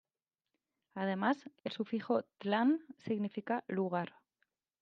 Además, el sufijo -tlan significa lugar.